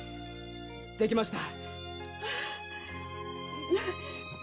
できました。